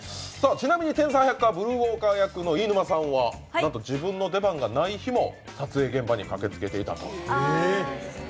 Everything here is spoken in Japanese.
ちなみに天才ハッカーブルーウォーカー役の飯沼さんはなんと自分の出番がない日も撮影現場に駆けつけていたと。